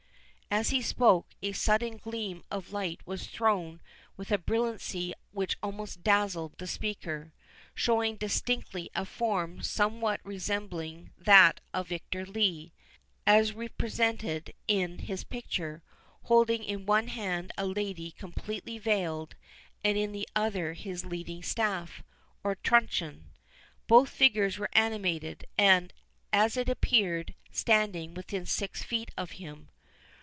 As he spoke, a sudden gleam of light was thrown with a brilliancy which almost dazzled the speaker, showing distinctly a form somewhat resembling that of Victor Lee, as represented in his picture, holding in one hand a lady completely veiled, and in the other his leading staff, or truncheon. Both figures were animated, and, as it appeared, standing within six feet of him.